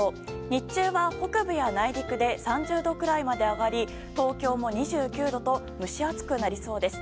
日中は北部や内陸で３０度くらいまで上がり東京も２９度と蒸し暑くなりそうです。